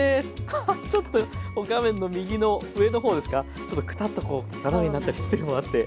アハちょっと画面の右の上の方ですかちょっとクタッとこう斜めになったりしてるのもあって。